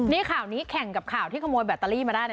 นี่ข่าวนี้แข่งกับข่าวที่ขโมยแบตเตอรี่มาได้